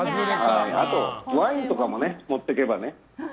ワインとかも持ってけばね。